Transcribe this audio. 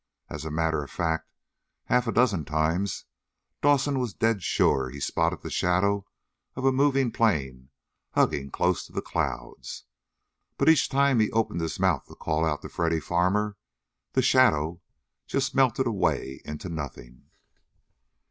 As a matter of fact, half a dozen times Dawson was dead sure he spotted the shadow of a moving plane hugging close to the clouds. But each time he opened his mouth to call out to Freddy Farmer the "shadow" just melted away into nothing.